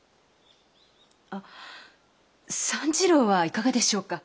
あっ三次郎はいかがでしょうか？